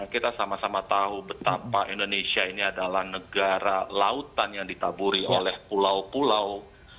kita sama sama tahu betapa indonesia ini adalah negara lautan yang ditaburi oleh pulau pulau